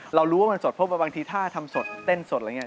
เรารู้ว่ามันสดเพราะว่าบางทีถ้าทำสดเต้นสดอะไรอย่างนี้